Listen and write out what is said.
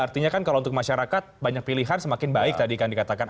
artinya kan kalau untuk masyarakat banyak pilihan semakin baik tadi kan dikatakan